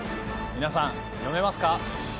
皆さん読めますか？